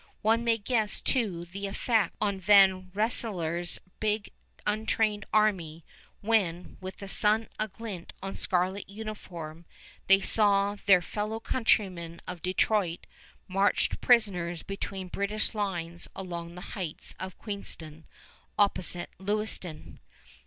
One may guess, too, the effect on Van Rensselaer's big untrained army, when, with the sun aglint on scarlet uniform, they saw their fellow countrymen of Detroit marched prisoners between British lines along the heights of Queenston opposite Lewiston.